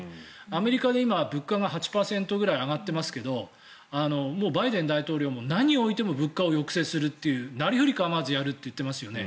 アメリカで今、物価が８％ぐらい上がってますけどバイデン大統領も何をおいても物価を抑制するというなりふり構わずやるって言ってますよね。